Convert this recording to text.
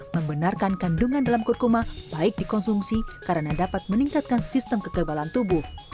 membenarkan kandungan dalam kurkuma baik dikonsumsi karena dapat meningkatkan sistem kekebalan tubuh